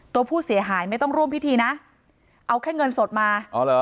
ตัวผู้เสียหายไม่ต้องร่วมพิธีนะเอาแค่เงินสดมาอ๋อเหรอ